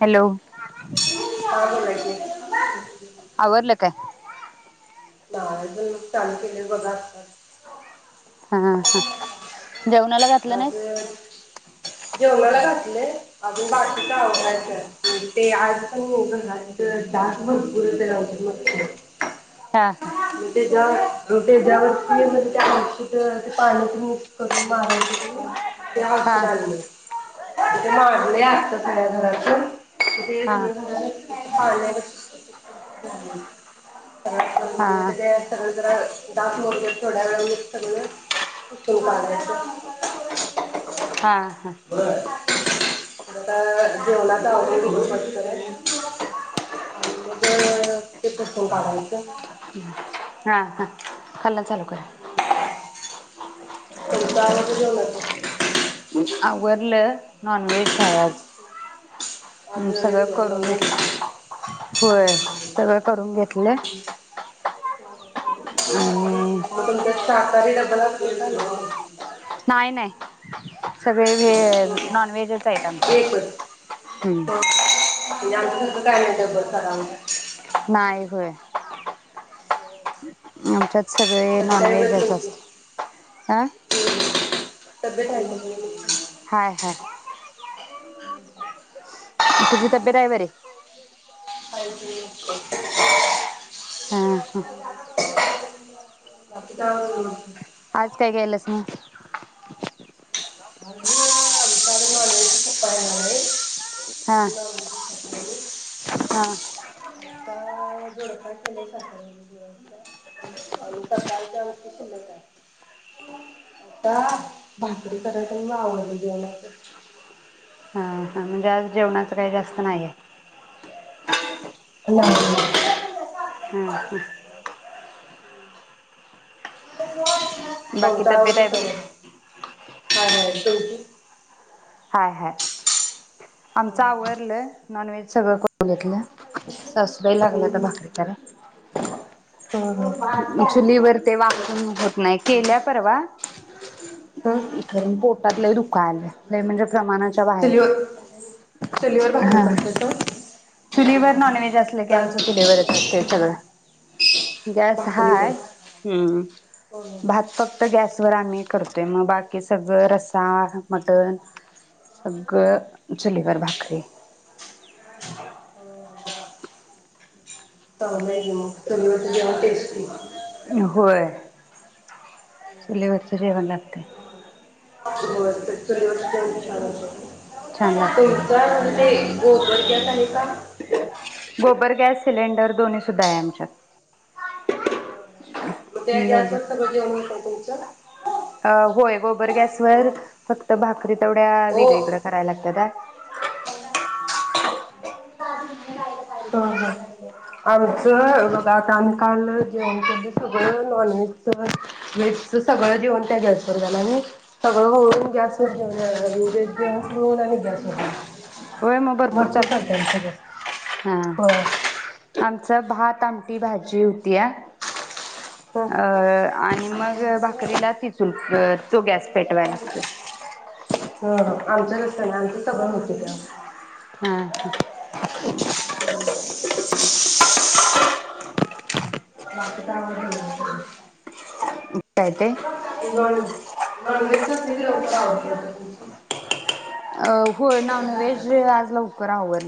Hello बघ आवरलं काय? [unintelligible] चालू केलेयं बघा आत्ताचं हम हम जेवणाला घातलं आज नाहीस, जेवणाला घातलंय, अजून बाकीच आवरायचं ते आज तु [unintelligible] हा तेच्यावर तेच्यावरती [unintelligible] त्या ते पाणी मिक्स करून मारायच. पी हा हा औषध आणलयं [unintelligible] हा [unintelligible] [unintelligible] [unintelligible] हा सगळं जरा, डास मरू थोड्या, वेळा सगळं पुसून काढायच. हा हा. आता जेवणाच [unintelligible] आणि मग ते पुसून काढायच. हा हा [unintelligible] तुमचं आवडलं जेवणाचं [unintelligible] आवरलं नॉन व्हेज हाय आज आज हम्म सगळं जेवलेली बरं करून नॉनव्हेज घेतल होय सगळं करून घेतल. [unintelligible] [unintelligible] [inaudible] नाय नाय सगळे व्हे हं. नॉनव्हेजचं आहेत एकच आमच्याकड. हम्म. हं. [inaudible] नाय होय. आमच्यात सगळे तब्येत आहे बरी नॉनव्हेजच तुमची असत. अह तब्येत हाय म्हनून हा हा. [inaudible] तुझी तब्येत हाय बरी? [inaudible] हा हा [unintelligible] [inaudible] आज काय केलंस [inaudible] [unintelligible] हा [unintelligible] [inaudible] आता दोडका केलाय सकाळी जेवायला. अजून सकाळच्या भाकरी शिल्लक हाय. आता भाकरी कराची न मग आवरायच जेवणाच. [unintelligible] जेवणाच काय जास्त नाय हाय. [inaudible] हा हा. [inaudible] बाकी चौदा तब्येत आहे आवरले बरी सगळे [unintelligible] तुझी हाय हाय. आमच आवरलं. नॉनव्हेज सगळं करून घेतलं. सासूबाई लागल्या आता तुमची भाकरी कराय. चुलीवर ते वाकून होत नाही. केल्या परवा. [inaudible] इथं राहून पोटात लय दुख काल. लय म्हनजे चुलीवर, चुलीवर भाकरी हा करत्यात. चुलीवर नॉनव्हेज बाहेर असल की आमच चुलीवरच असतय सगळं गॅस भाकरी हाय पण हम भात फक्त गॅस वर आम्ही करतोय मग बाकी सगळं रसा मटण सगळं चुलीवर भाकरीे [inaudible] [inaudible] होय चुलीवरचं जेवण लागतय. [inaudible] [inaudible] छान लागते तुमच आहे गोबर गॅस आणि गोबर गॅस सिलेंडर दोन्ही सुद्धा आहे आमच्यात. मग ते जास्त दोन्ही वाजत पण भजीव होत आहे तुमचं. अ होय बर गॅस ओ वर फक्त भाकरी तेवड्या ओ वेगळीकड करायला लागत्यात्या. ह ह आमचं बघ आता आम्ही काल जेवण केलं सगळं नॉन व्हेज च व्हेज च सगळं जेवण त्या गॅस वर झाला सगळं होउन गॅस वर जेऊन इ्रेज जेऊन सुरवून आणि गॅसवर होय मग भरपूर चालतय चालतं ते आमचं गॅस होय हा आम स भात आमठी भाजी होती या हां अ आणि मग भाकरीला तिचून तो गॅस पेटवाय लागतोय. हां आमचं तसं नाही आमचं सगळं होतय त्यात हम्म [inaudible] बाकी तर काय ते [unintelligible] [unintelligible] अ होय नॉन व्हेज आज लवकर आवर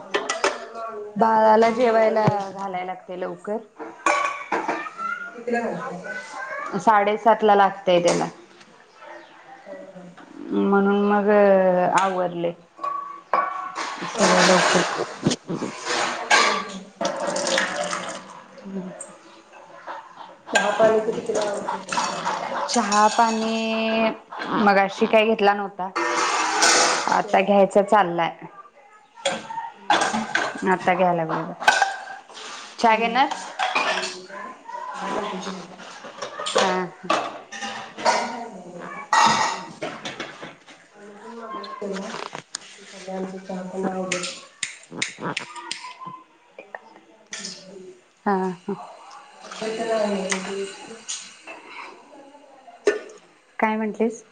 आमचं नॉनव्हेज असली की बाळाला मग लवकर जेवायला जेवू शकतो घालायला लागते लवकर कितीला घालतायसा? साडेसात ला लागतय त्याला म्हणून मग अ आवरले. सगळं लवकर. हम् चहा पाणी ते कितीला आवरते. चहा पाणी मगाशी काही घेतला नव्हता. आता घ्यायचा चाललंय आ आता घ्याय लागलोय बघा [inaudible] हम् [inaudible] पहिला आणि आमच्यात चहापण आवडत हम ह ह [unintelligible] काय म्हटंलीस?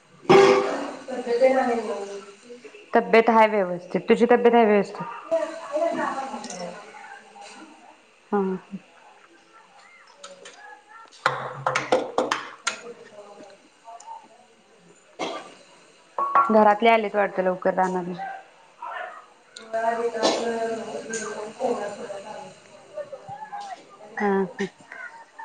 तब्यत [unintelligible] तब्येत आहे व्यवस्थित तुझी तब्येत आहे व्यवस्थित? [unintelligible] हो हा ह [unintelligible] घरातले आलेत आलेत वाटतं लवकर रानातनं. [unintelligible] ह ह [inaudible] [inaudible]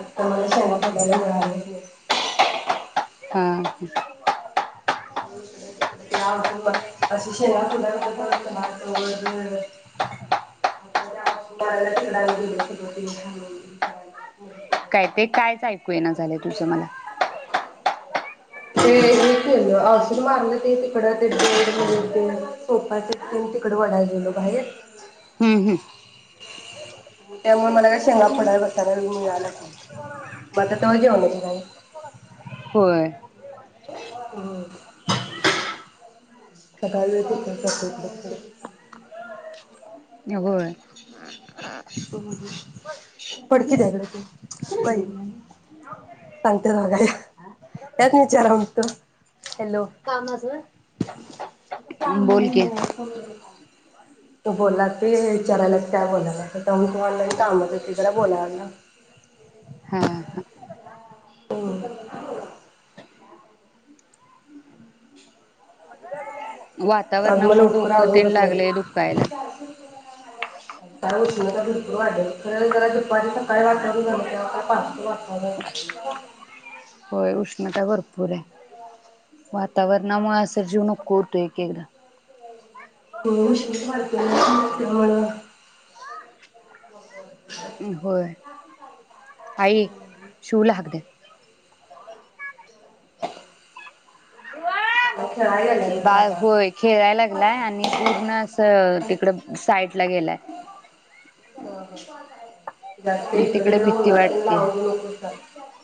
आता मला [inaudible] हा हा [inaudible] अशे शेंगा फोडायला हात दुखतो ना [inaudible] काय ते कायच ऐकू येईना झालं तुझं मला. ते हे केलं औषध मारलं ते तिकडं ते बेड हे ते सोफा चिकटून तिकडं वडाय गेलो बाहेर. हम ह त्यामुळे मला काय शेंगा फोडाय वेळ बसायला मिळालचं नाय मग आता तवा जेवणाची घाई. होय. सकाळी वेळ जातो इकडं तिकडं. अ होय फडकी द्या हिकडं ते सांगतेत बघा हे ह्यासनी विचारा मग तुम्ही हॅलो कामाचं होय. [inaudible] बोल की तो बोला ते हे विचारायलाच की काय बोलला [inaudible] जरा कामात होते त्यामुळं बोलाय आल नाय. हा हा हम् आज मला वातावरणामुळे लवकर डोक तेण लागलय दुखायला काल उष्णता भरपूर वाढेलेली खर जरा दुपारी सकाळी वातावरण झालं तेव्हा काय पावसाचं वातावरण होय उष्णता भरपूर आहे, वातावरणामुळे अस जीव नको उरतो एक एकदा [unintelligible] होय आई शिवला हाक द्या [inaudible] आणि गेलेलं बाळ होय खेळाय लागलाय आणि पूर्ण असं तिकड साईटला गेलाय. [inaudible] म इकडं तिकडे तिकडं भीती उन्हात तेन वाटतिया लावून देऊ नकोस त्याला.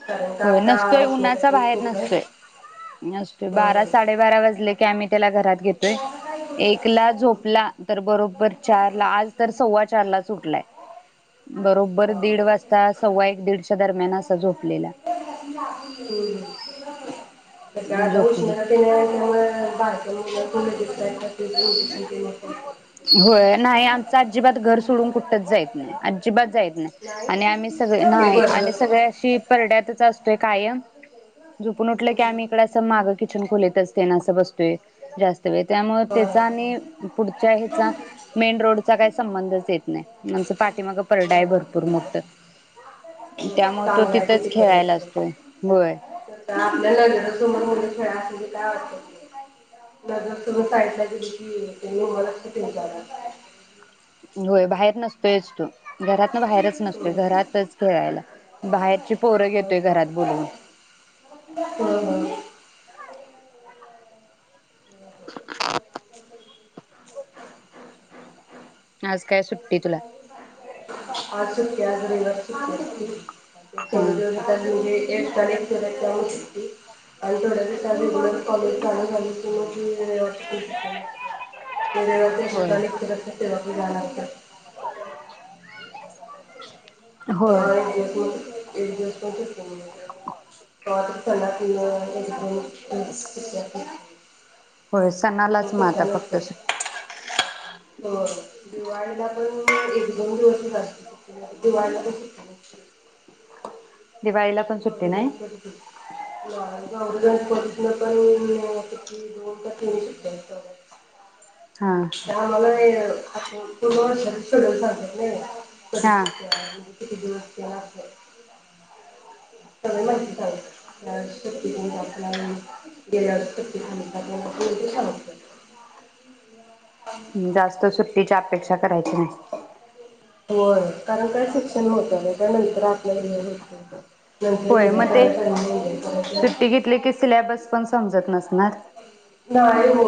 कारण का होय आता नसतोय, उष्णता उन्हाचा पण बाहेर खूप आहे. नसतोय नसतोय, होय. बारा साडेबारा वाजले कॅमी त्याला घरात घेतोय, एकला झोपला तर बरोबरं चारला आज तर सव्वा चारलाच उठलाय बरोबरं [unintelligible] कसंय असा झोपलेला आता झोपली उष्णता तेन आहे त्यामुळं बारक्या मुल [unintelligible] होय नाही आमच अजिबात घर सोडून कुठच जाईत नाही, अजिबात जाईत नाही आणि आम्ही सगळे ते नाही बरं. आम्ही सगळे अशी परड्यातच असतोय कायम झुपून उठल की आम्ही इकड अस माग किचन खोलीत असते ना असं बसतोय जास्त त होय त्यामुळं होय. त्याच आणि पुढच्या ह्याचा मेन रोडचा काय संबंधच येत नाही आमचं पाठीमाग होय. परडाय भरपूर मोठ त्यामुळे तो चांगलं आहे ते तिथच तिकडल्या खेळायला तिकडं. असतोय होय. तर आपल्या नजरेसमोर मुलं [unintelligible] नजर सोडून साईडला गेली की लागतंय त्याच्यकडं होय बाहेर नसतोयच तो घरातन बाहेरच नसतोय मुलांना घरातच खेळायला बाहेरची पोर येतोय घरात बोलवून होय होय. [inaudible] [inaudible] आज काय सुट्टी तुला आज रविवार सुट्टी ह [unintelligible] एक तारीख पर्यंत पाऊस आणि थोड्या दिवसांनी कॉलेज चालू झाल की मग [unintelligible] ते रायवारच होय एक्सट्रा लेक्चर असतंय तेव्हा [inaudible] [inaudible] [inaudible] [inaudible] होय एक दिवस तो फेकून [inaudible] सुट्टी असं. असते. होय, सणालाच म आता फक्त सिंग हो दिवाळीला पण एक दोन दिवसच असत दिवाळीला सुट्टी नसते. दिवाळीला पण सुट्टी गौरी नाही गणपती गौरी गणपती. मग काय दोन का तीन सुट्ट्या असतात. हा त्या मला वेगळं. आप कोन [unintelligible] सगळ सांगत नई. कररी हा चुक्या किती दिवस केलाे [unintelligible] त्या माहि शक्तीकला गेल्यावर शक्ती ख समज [inaudible] जास्त सुट्टीच्या आप पेक्षा करायची नाही. होय, कारण काय शिक्षण होत ना त्या नंतर आपल्या [unintelligible] घ होत होय मग ते करायचं सुट्टी घेतली की सिलेबस पण समजत नसणार, नाही हो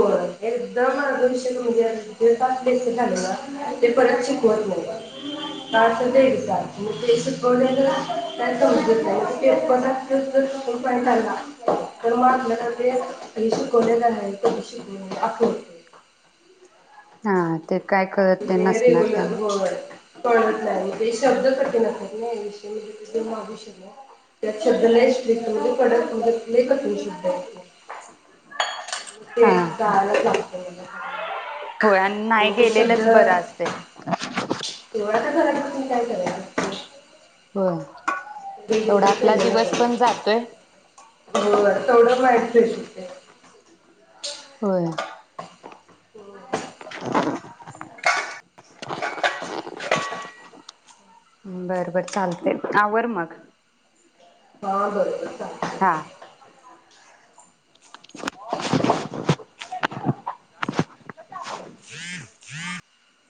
एकदम पणग श म्हणजेच प झाल ना ते परत शिकवत नाही का ते वि ते शिकवले तरजत नाही पणचालला तर मग ते [unintelligible] लेला नाही कधि शिकविन आकडतोय. नाद. ते काय कळत नाय नसणार त्याव. पळत नाही ते शब्द कठीण असात नाही याषय म्हणजे त माविष्य नाही त्यात शब्द स्ट्र [unintelligible] म्हणजे पडतु लय कठीण शब्द आहेत ते. ह [inaudible] ते हा हा जाायलाच लागत म. होय आणि नाही गेलेलंच बरं असते [unintelligible] म काय करायचं हो तेवढा रेग्युलर आपला केलेलं दिवस पण जातोय. बरं. हो [inaudible] होय. [inaudible] बरं बरं चालतय आवर मग. हा बरं बरं. हा. हा ह [inaudible]